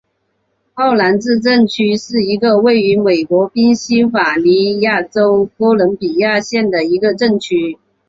奥兰治镇区是一个位于美国宾夕法尼亚州哥伦比亚县的一个镇区。